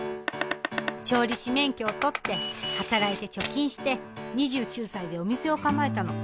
調理師免許を取って働いて貯金して２９歳でお店を構えたの。